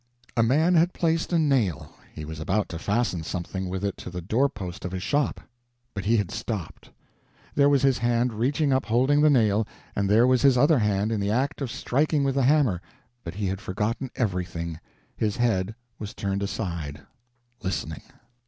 A man had placed a nail; he was about to fasten something with it to the door post of his shop—but he had stopped. There was his hand reaching up holding the nail; and there was his other hand in the act of striking with the hammer; but he had forgotten everything—his head was turned aside listening.